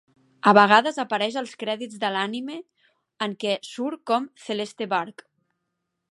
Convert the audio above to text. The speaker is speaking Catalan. A vegades apareix als crèdits de l'anime en què surt com Celeste Burch.